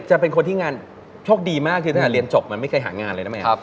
จะเป็นคนที่งานโชคดีมากคือตั้งแต่เรียนจบมันไม่เคยหางานเลยนะแม่